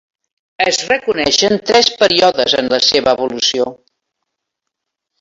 Es reconeixen tres períodes en la seva evolució.